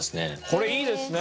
これいいですね。